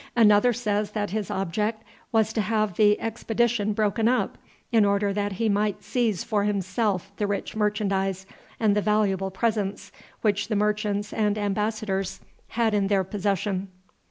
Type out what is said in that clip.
Another says that his object was to have the expedition broken up, in order that he might seize for himself the rich merchandise and the valuable presents which the merchants and embassadors had in their possession.